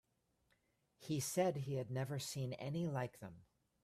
He said he had never seen any like them.